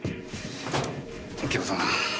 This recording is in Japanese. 右京さん。